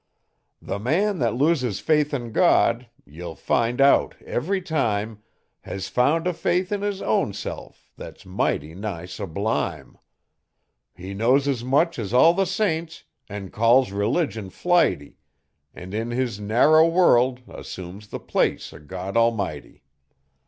The man that loses faith in God, ye'll find out every time, Has found a faith in his own self that's mighty nigh sublime. He knows as much as all the saints an' calls religion flighty, An' in his narrow world assumes the place o' God Almighty.